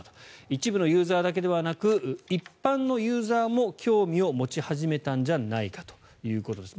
一部のユーザーだけではなく一般のユーザーも興味を持ち始めたんじゃないかということです。